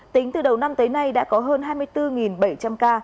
tính từ đầu năm tới nay đã có hơn hai mươi bốn bảy trăm linh ca